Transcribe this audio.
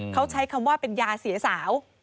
เขาใช้คำว่าเป็นยาเสียสาว